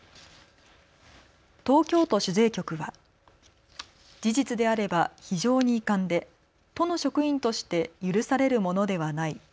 東京都主税局は、事実であれば非常に遺憾で都の職員として許されるものではない。